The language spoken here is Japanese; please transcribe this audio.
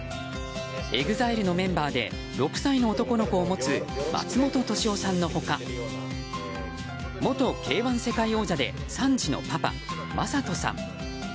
ＥＸＩＬＥメンバーで６歳の男の子を持つ松本利夫さんの他元Ｋ‐１世界王者で３児のパパ魔裟斗さん。